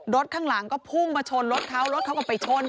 ข้างหลังก็พุ่งมาชนรถเขารถเขาก็ไปชน